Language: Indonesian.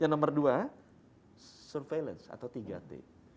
yang nomor dua surveillance atau tiga t